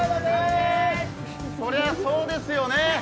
そりゃそうですよね。